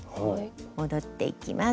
戻っていきます。